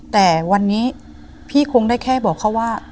แต่วันนี้พี่คงได้แค่บอกเขาว่า